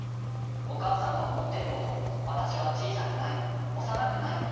お母さんが思ってるほど私は小さくない、幼くない。